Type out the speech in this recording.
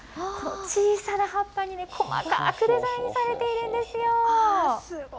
小さな葉っぱに細かくデザインされているんですよ。